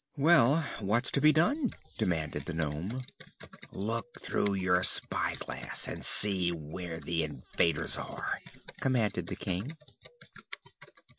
"Well, what's to be done?" demanded the nome. "Look through your spyglass, and see where the invaders are," commanded the King.